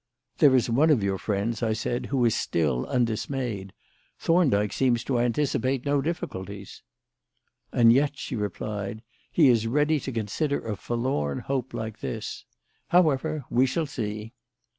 "There is one of your friends," I said, "who is still undismayed. Thorndyke seems to anticipate no difficulties." "And yet," she replied, "he is ready to consider a forlorn hope like this. However, we shall see."